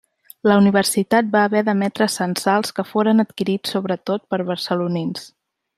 La Universitat va haver d'emetre censals que foren adquirits sobretot per barcelonins.